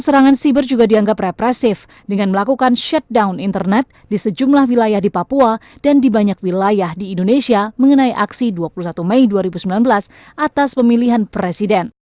serangan siber juga dianggap represif dengan melakukan shutdown internet di sejumlah wilayah di papua dan di banyak wilayah di indonesia mengenai aksi dua puluh satu mei dua ribu sembilan belas atas pemilihan presiden